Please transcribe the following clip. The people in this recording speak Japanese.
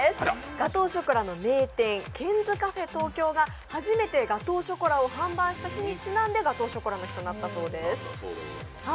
ガトーショコラの名店、ケンズカフェ東京が初めてガトーショコラを販売した日にちなんでガトーショコラの日となったそうです。